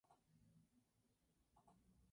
Las relaciones son buenas y amistosas.